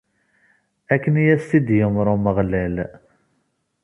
Akken i asen-t-id-yumeṛ Umeɣlal.